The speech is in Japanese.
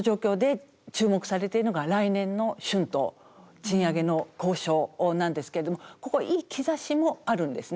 賃上げの交渉なんですけどもここいい兆しもあるんですね。